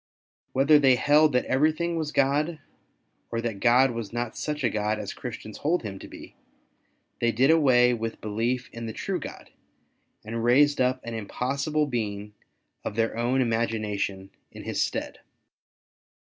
Whether they held that everything was God, or that God was not such a God as Christians hold Him to be, they did away with belief in the true God, and raised up an impossible being of their own imagination in His stead.